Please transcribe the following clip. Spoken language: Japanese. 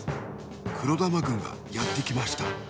黒玉軍がやってきました。